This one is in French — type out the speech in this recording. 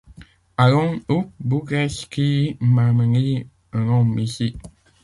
Allons, houp ! bougresses qui m’amenez un homme ici !…